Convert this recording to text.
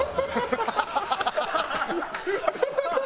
ハハハハ！